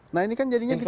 nah ini kan jadinya kita